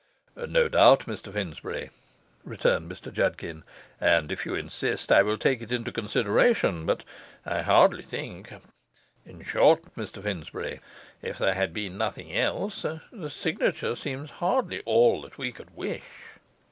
'No doubt, Mr Finsbury,' returned Mr Judkin; 'and if you insist I will take it into consideration; but I hardly think in short, Mr Finsbury, if there had been nothing else, the signature seems hardly all that we could wish.